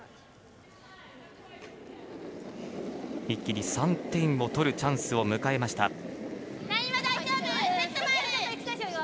一気に３点を取るチャンスを迎えました。